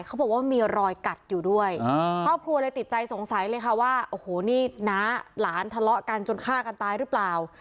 เขาบอกว่ามีรอยกัดอยู่ด้วยครอบครัวเลยติดใจสงสัยเลยค่ะว่าโอ้โหนี่น้าหลานทะเลาะกันจนฆ่ากันตายหรือเปล่า